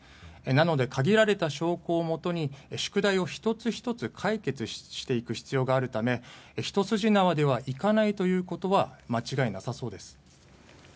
なので、限られた証拠をもとに宿題を１つ１つ解決していく必要があるため一筋縄ではいかないということは間違いなさそうです。